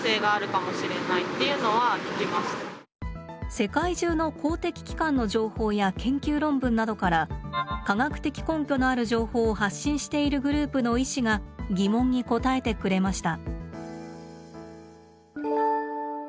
世界中の公的機関の情報や研究論文などから科学的根拠のある情報を発信しているグループの医師が疑問に答えてくれました。